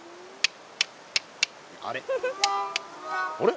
あれ？